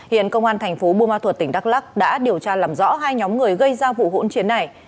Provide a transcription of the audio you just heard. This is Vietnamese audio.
hiện công an thành phố bùa ma thuật tỉnh đắk lắc đã điều tra làm rõ hai nhóm người gây ra vụ hỗn chiến này